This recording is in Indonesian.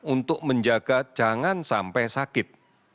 untuk menjaga jangan sampai sakit